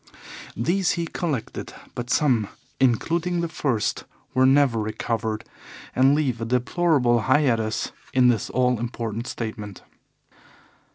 These he collected, but some, including the first, were never recovered, and leave a deplorable hiatus in this all important statement.